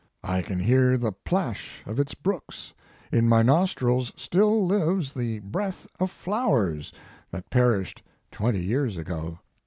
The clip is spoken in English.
I can hear the plash of its brooks; in my nostrils still lives the breath of flowers that perished twenty years ago.